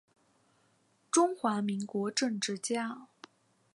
中华民国政治家。